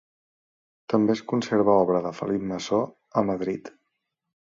També es conserva obra de Felip Masó a Madrid.